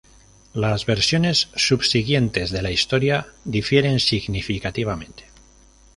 Las versiones subsiguientes de la historia difieren significativamente.